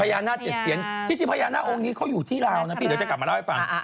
พญานาค๗เสียนจริงพญานาคองค์นี้เขาอยู่ที่ลาวนะพี่เดี๋ยวจะกลับมาเล่าให้ฟัง